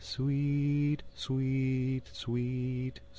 Sweet, sweet, sweet, sweet.